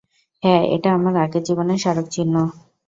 হ্যাঁ, এটা আমার আগের জীবনের স্মারক চিহ্ন।